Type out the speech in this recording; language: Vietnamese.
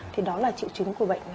thì đó là triệu chứng của bệnh